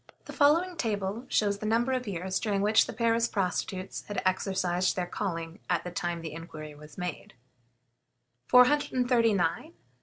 The following table shows the number of years during which the Paris prostitutes had exercised their calling at the time the inquiry was made: Time.